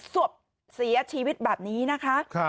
ศพเสียชีวิตแบบนี้นะคะ